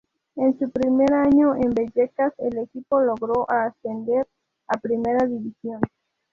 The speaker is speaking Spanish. En su primer año en Vallecas, el equipo logró ascender a Primera División.